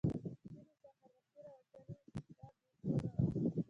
نجونې سهار وختي راوتلې سده بې شوره وه.